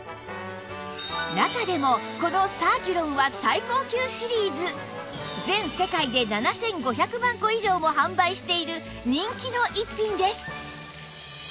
中でもこのサーキュロンは最高級シリーズ全世界で７５００万個以上も販売している人気の逸品です